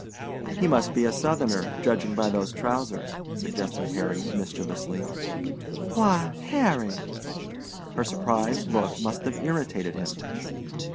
"He must be Southerner, judging by those trousers," suggested Harry mischievously. "Why, Harry!" Her surprised look must have irritated him.